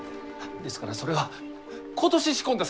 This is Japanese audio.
ですからそれは今年仕込んだ